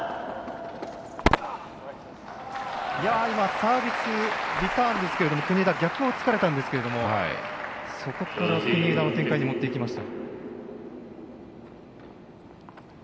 サービスリターンですが国枝、逆をつかれたんですけどそこから国枝の展開に持っていきました。